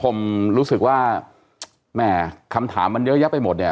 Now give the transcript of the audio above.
คำถามมันเยอะแยะไปหมดนี่